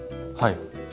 はい。